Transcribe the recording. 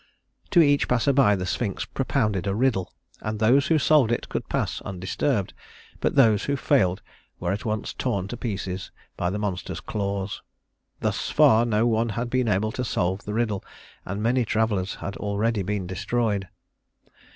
To each passer by the Sphinx propounded a riddle, and those who solved it could pass undisturbed, but those who failed were at once torn to pieces by the monster's claws. Thus far no one had been able to solve the riddle, and many travelers had already been destroyed.